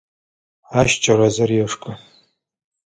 Ащ чэрэзыр ешхы.